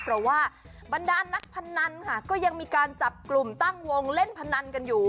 เพราะว่าบรรดานนักพนันค่ะก็ยังมีการจับกลุ่มตั้งวงเล่นพนันกันอยู่